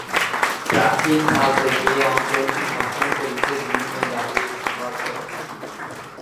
প্রাচীন কাল থেকে অঞ্চলটি শাসন করেছে বিভিন্ন জাতি ও সাম্রাজ্য।